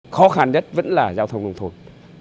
khó khăn nhất vẫn là giao thông nông thôn